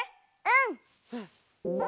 うん！